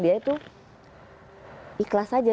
dia itu ikhlas saja